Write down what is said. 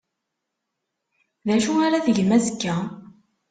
D acu ara tgem azekka?